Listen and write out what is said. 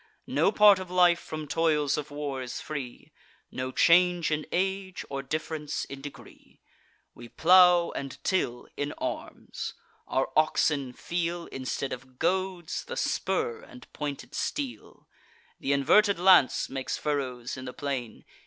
No part of life from toils of war is free, No change in age, or diff'rence in degree. We plow and till in arms; our oxen feel, Instead of goads, the spur and pointed steel; Th' inverted lance makes furrows in the plain.